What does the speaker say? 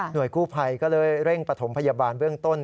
หน่วยคู่ภัยก็เลยเร่งประถมพยาบาลเบื้องต้น